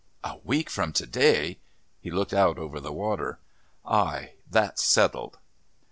"A week from to day " He looked out over the water. "Aye. That's settled."